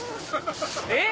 えっ？